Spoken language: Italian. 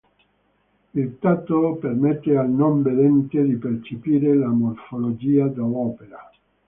Il tatto permette al non vedente di percepire la morfologia dell'opera.